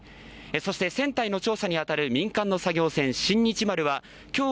そして、船体の調査に当たる民間の作業船「新日丸」は今日